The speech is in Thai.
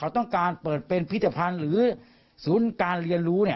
ต้องการเปิดเป็นพิธภัณฑ์หรือศูนย์การเรียนรู้